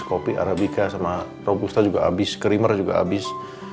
kopi arabica sama robusta juga habis krimer juga habis